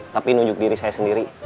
tapi nunjuk diri saya sendiri